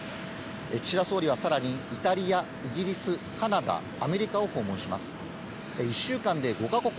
岸田総理はさらに、イタリア、イギリス、カナダ、アメリカを訪問します。